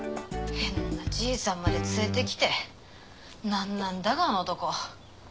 変なじいさんまで連れてきて何なんだかあの男。